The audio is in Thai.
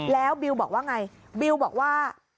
แล้วบิวบอกว่าไงบิวบอกว่า